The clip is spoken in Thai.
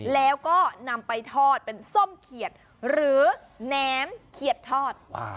แล้วก็นำไปทอดเป็นส้มเขียดหรือแหนมเขียดทอด